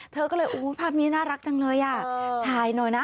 เธอก็เลยโอ้โหภาพนี้น่ารักจังเลยอ่ะถ่ายหน่อยนะ